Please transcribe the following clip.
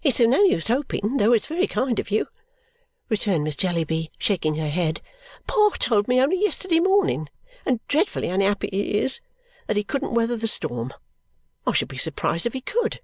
"It's of no use hoping, though it's very kind of you," returned Miss Jellyby, shaking her head. "Pa told me only yesterday morning (and dreadfully unhappy he is) that he couldn't weather the storm. I should be surprised if he could.